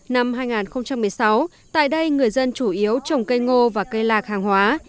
năm hai nghìn một mươi sáu tại đây người dân chủ yếu trồng cây ngô và cây lạc hàng hóa